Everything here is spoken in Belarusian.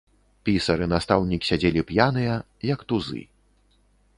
Пісар і настаўнік сядзелі п'яныя, як тузы.